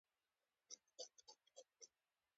آیا پښتون به تل پښتون نه وي؟